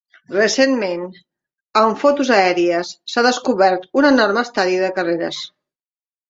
Recentment, amb fotos aèries, s'ha descobert un enorme estadi de carreres.